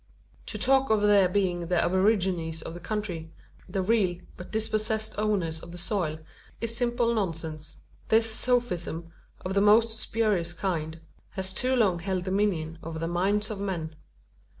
To talk of their being the aborigines of the country the real, but dispossessed, owners of the soil is simple nonsense. This sophism, of the most spurious kind, has too long held dominion over the minds of men.